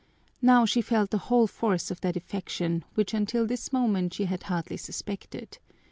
Now she felt the whole force of that affection which until this moment she had hardly suspected.